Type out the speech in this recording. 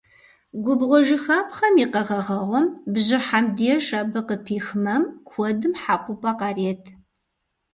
Губгъуэжыхапхъэм и къэгъэгъэгъуэм – бжьыхьэм деж, абы къыпих мэм куэдым хьэкъупӏэ къарет.